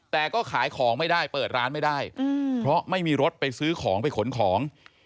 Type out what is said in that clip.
แต่ก็ขายของไม่ได้เปิดร้านไม่ได้เพราะไม่มีรถไปซื้อของไปขนของ